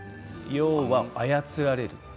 要は操られる。